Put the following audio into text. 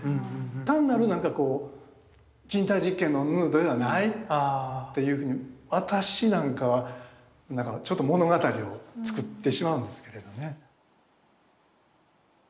単なる人体実験のヌードではないっていうふうに私なんかはちょっと物語を作ってしまうんですけれどね。